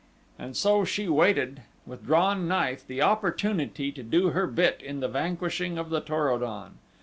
And so she waited, with drawn knife, the opportunity to do her bit in the vanquishing of the Tor o don.